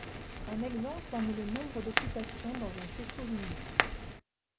Un exemple en est le nombre d'occupation dans un faisceau lumineux.